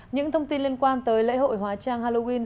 những thông tin liên quan tới lễ hội hóa trang halloween